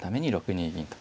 ６二銀と。